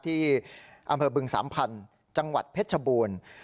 ที่อำเภอบึงสามพันธุ์จังหวัดเพชรชบูรณ์